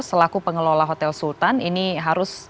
selaku pengelola hotel sultan ini harus